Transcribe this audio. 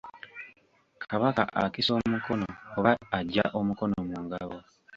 Kabaka akisa omukono oba aggya omukono mu ngabo.